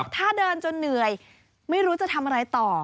ถ้าเดินจนเหนื่อยไม่รู้จะทำอะไรต่อ